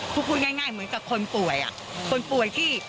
คือพูดง่ายเหมือนกับคนป่วยคนป่วยที่